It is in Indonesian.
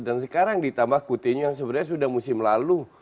dan sekarang ditambah coutinho yang sebenarnya sudah musim lalu